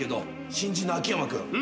新人の秋山君